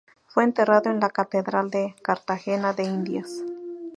Fue enterrado en la Catedral de Cartagena de Indias.